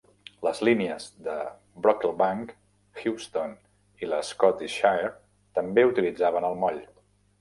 Les línies de Brocklebank, Houston i la Scottish Shire també utilitzaven el moll.